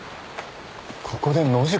ここで野宿？